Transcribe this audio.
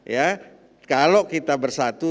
ya kalau kita bersatu